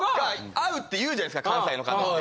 合うって言うじゃないですか関西の方って。